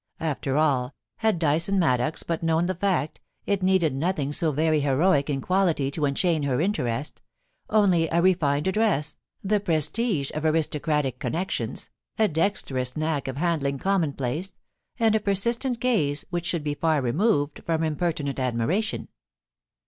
After all, had Dyson Maddox but known the fact, it needed nothing so very heroic in quality to enchain her interest — only a refined address, the prestige of aristocratic connections, a dexterous knack of 158 POUCY AND PASSION. handling commonplace, and a persistent gaze which should be far removed from impertinent admiration.